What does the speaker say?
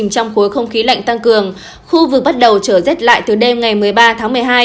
trong khối không khí lạnh tăng cường khu vực bắt đầu trở rét lại từ đêm ngày một mươi ba tháng một mươi hai